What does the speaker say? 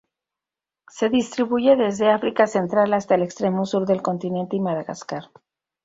Se distribuye desde África central hasta el extremo sur del continente y Madagascar.